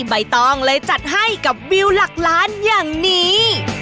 ใบตองเลยจัดให้กับวิวหลักล้านอย่างนี้